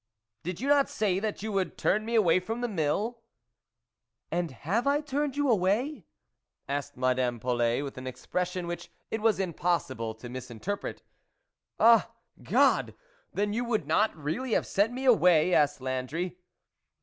" Did you not say that you would turn me away from the mill ?"" And have I turned you away ?" asked Madame Polet, with an expression which it was impossible to misinterpret. " Ah ! God ! then you would not really have sent me away ?" asked Landry.